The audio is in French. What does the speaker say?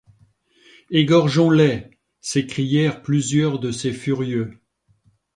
Égorgeons-les ! s’écrièrent plusieurs de ces furieux